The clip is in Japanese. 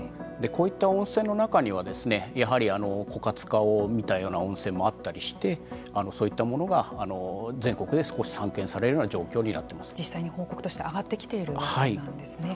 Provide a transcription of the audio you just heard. こういった温泉の中にはやはり枯渇化を見たような温泉もあったりしてそういったものが全国で少し散見されるような実際に報告として上がってきているわけなんですよね。